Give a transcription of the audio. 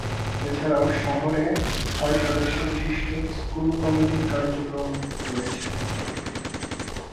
এছাড়াও শহরে ছয়-সদস্যবিশিষ্ট স্কুল কমিটির কার্যক্রম রয়েছে।